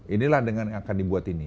inilah dengan yang akan dibuat ini